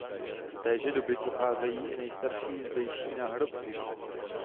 Z téže doby pocházejí i nejstarší zdejší náhrobky.